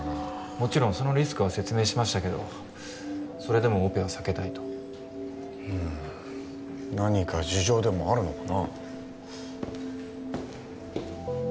もちろんそのリスクは説明しましたけどそれでもオペは避けたいとうーん何か事情でもあるのかな？